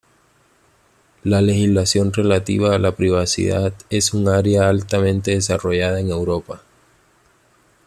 La legislación relativa a la privacidad es un área altamente desarrollada en Europa.